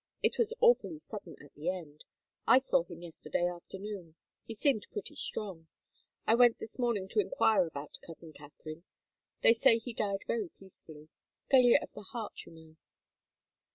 It was awfully sudden at the end. I saw him yesterday afternoon. He seemed pretty strong. I went this morning to enquire about cousin Katharine they say he died very peacefully. Failure of the heart, you know."